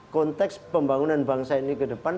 konteks pembangunan bangsa ini ke depan